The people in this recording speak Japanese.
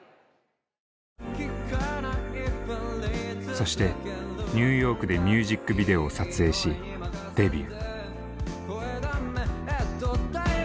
そしてニューヨークでミュージックビデオを撮影しデビュー。